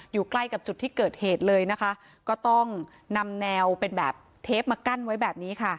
อยู่ใกล้กับจุดที่เกิดเหตุเลยนะคะก็ต้องนำแนวเป็นแบบเทปมากั้นไว้แบบนี้ค่ะ